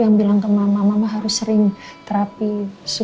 jangan lelah antesumpu